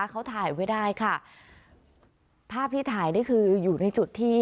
เขาถ่ายไว้ได้ค่ะภาพที่ถ่ายนี่คืออยู่ในจุดที่